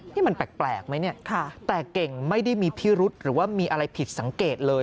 นี่มันแปลกไหมเนี่ยแต่เก่งไม่ได้มีพิรุษหรือว่ามีอะไรผิดสังเกตเลย